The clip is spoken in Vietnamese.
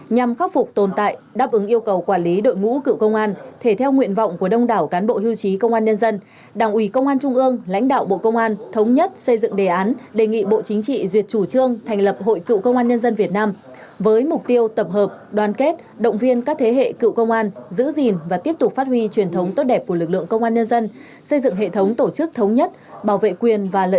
nhằm khắc phục tồn tại đáp ứng yêu cầu quản lý đội ngũ cựu công an thể theo nguyện vọng của đông đảo cán bộ hưu trí công an nhân dân đảng ủy công an trung ương lãnh đạo bộ công an thống nhất xây dựng đề án đề nghị bộ chính trị duyệt chủ trương thành lập hội cựu công an nhân dân việt nam với mục tiêu tập hợp đoàn kết động viên các thế hệ cựu công an giữ gìn và tiếp tục phát huy truyền thống tốt đẹp của lực lượng công an nhân dân xây dựng hệ thống tổ chức thống nhất bảo vệ quyền và l